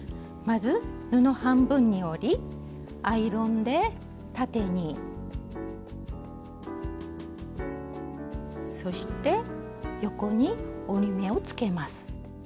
まず布半分に折りアイロンで縦にそして横に折り目をつけます。